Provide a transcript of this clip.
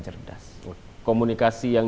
cerdas komunikasi yang